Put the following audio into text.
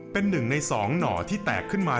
เป็นหนึ่งในสองหน่อที่แตกขึ้นมา